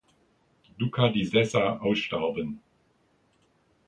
Duca di Sessa ausstarben.